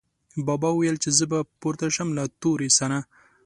بابا ویل، چې زه به پورته شم له تورې سره